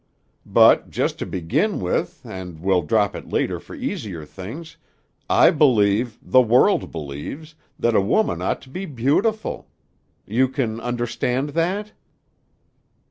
But just to begin with and we'll drop it later for easier things I believe, the world believes, that a woman ought to be beautiful. You can understand that?"